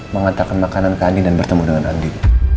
mengantarkan makanan ke andi dan bertemu dengan andi